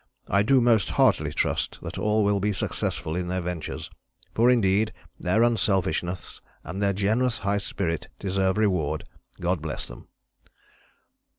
I do most heartily trust that all will be successful in their ventures, for indeed their unselfishness and their generous high spirit deserve reward. God bless them."